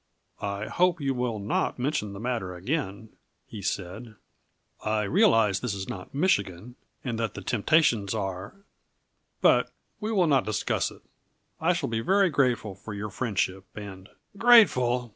"I hope you will not mention the matter again," he said. "I realize that this is not Michigan, and that the temptations are But we will not discuss it. I shall be very grateful for your friendship, and " "Grateful!"